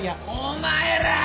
「お前らぁ！」